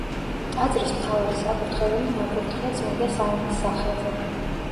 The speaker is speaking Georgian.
ტაძრის მთავარი საკურთხეველი ნაკურთხია წმინდა სამების სახელზე.